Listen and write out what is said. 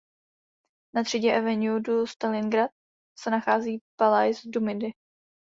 Na třídě Avenue du Stalingrad se nachází Palais du Midi.